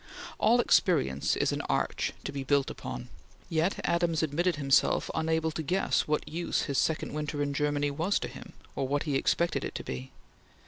All experience is an arch, to build upon. Yet Adams admitted himself unable to guess what use his second winter in Germany was to him, or what he expected it to be.